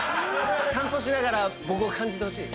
散歩しながら僕を感じてほしい。